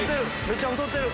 めっちゃ太ってる！